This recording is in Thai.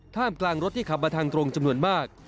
ท่ามกลางรถที่ขับมาทางตรงจำนวนมาก